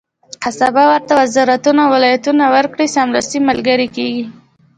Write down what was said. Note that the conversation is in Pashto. که سبا ورته وزارتونه او ولایتونه ورکړي، سمدستي ملګري کېږي.